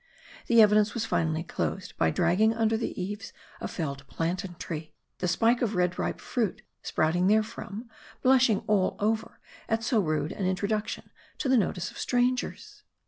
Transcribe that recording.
The evidence was finally closed by dragging under the eaves a felled plantain tree, the spike of red ripe fruit, sprouting therefrom, blushing all over, at so rude an introduction to the notice of strangers.